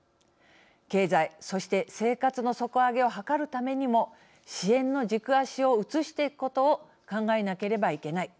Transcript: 経済そして生活の底上げを図るためにも支援の軸足を移していくことを考えなければいけない。